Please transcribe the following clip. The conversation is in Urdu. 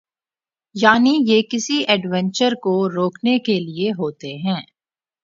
یعنی یہ کسی ایڈونچر کو روکنے کے لئے ہوتے ہیں۔